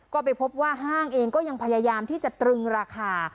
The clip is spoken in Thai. ก็ไปพบว่าห้างเองก็ยังพยายามที่จะตรึงราคา